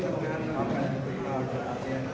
ทุกคนพระราชกระทรวงหญิงการพยาบาลใหม่ในโลก